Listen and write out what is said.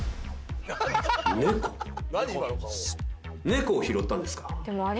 猫を拾ったんですか？